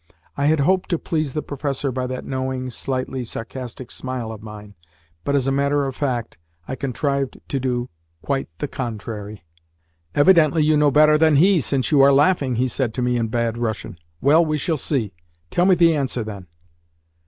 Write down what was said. I had hoped to please the professor by that knowing, slightly sarcastic smile of mine, but, as a matter of fact, I contrived to do quite the contrary. "Evidently you know better than he, since you are laughing," he said to me in bad Russian. "Well, we shall see. Tell me the answer, then."